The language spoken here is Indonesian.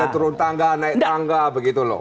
turun tangga naik tangga begitu loh